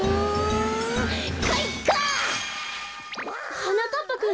はなかっぱくん。